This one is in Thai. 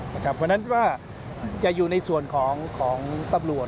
เพราะฉะนั้นว่าจะอยู่ในส่วนของตำรวจ